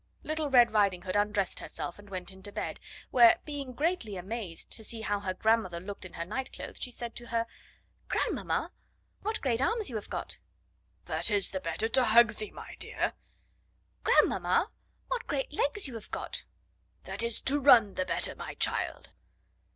Little Red Riding Hood undressed herself and went into bed, where, being greatly amazed to see how her grandmother looked in her night clothes, she said to her: "Grandmamma, what great arms you have got!" "That is the better to hug thee, my dear." "Grandmamma, what great legs you have got!" "That is to run the better, my child."